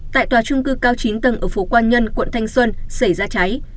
tại tòa trung cư cao chín tầng ở phố quan nhân quận thanh xuân xảy ra cháy